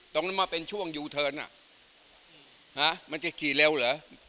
ตรงนั้นมาเป็นช่วงยูเทิร์นมันจะขี่เร็วเหรอ